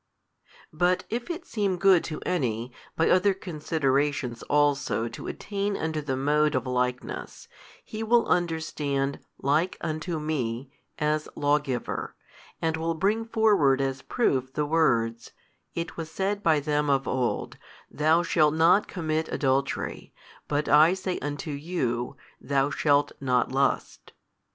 But if it seem good to any, by other considerations also to attain unto the mode of likeness, he will understand Like unto me as lawgiver, and will bring forward as proof the words, It was said by them of old, Thou shalt not commit adultery, but I say unto you, Thou shalt not lust.